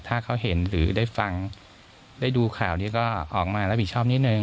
ถ้าเขาเห็นหรือได้ฟังได้ดูข่าวนี้ก็ออกมารับผิดชอบนิดนึง